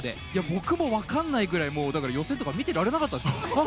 僕も分からないぐらいで予選とか見ていられなかったですもん。